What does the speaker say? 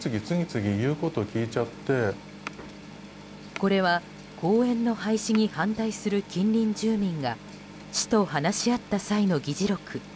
これは公園の廃止に反対する近隣住民が市と話し合った際の議事録。